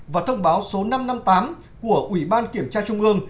và thông báo số năm trăm năm mươi tám của ủy ban kiểm tra trung ương